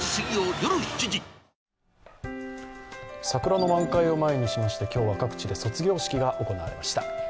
桜の満開を前にしまして、今日は各地で卒業式が行われました。